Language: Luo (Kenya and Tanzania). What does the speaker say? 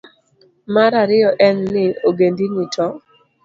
Mar ariyo en ni, ogendini to